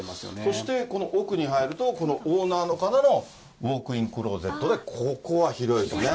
そして、この奥に入ると、このオーナーの方のウォークインクローゼットで、ここは広い。